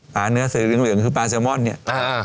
ปลาเนื้อสืออังกฤษคือปลาเซอร์มอนด์เนี้ยอ่าอ่า